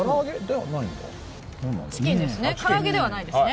から揚げではないのか。